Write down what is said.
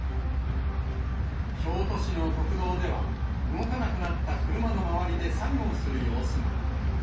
京都市の国道では、動かなくなった車の周りで作業する様子が。